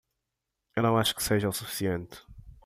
Eu não acho que seja o suficiente